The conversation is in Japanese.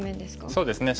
そうですね